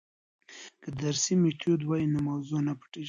که درسي میتود وي نو موضوع نه پټیږي.